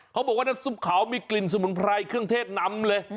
เขาบอกว่านัดซุปขามีกลิ่นศึกปฏิมัณณ์ครีมเทศน้ำเลย